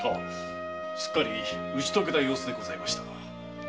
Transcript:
すっかり打ち解けた様子でございましたが。